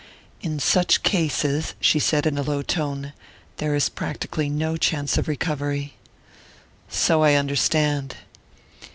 "In such cases," she said in a low tone, "there is practically no chance of recovery." "So I understand."